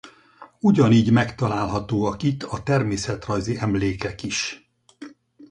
Ugyanígy megtalálhatóak itt a természetrajzi emlékek is.